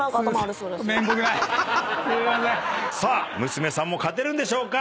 娘さんも勝てるんでしょうか？